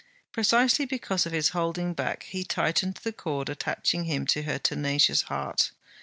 precisely because of his holding back he tightened the cord attaching him to her tenacious heart.